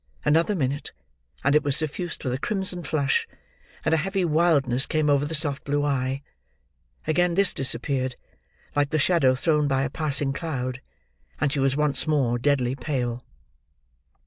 Another minute, and it was suffused with a crimson flush: and a heavy wildness came over the soft blue eye. Again this disappeared, like the shadow thrown by a passing cloud; and she was once more deadly pale.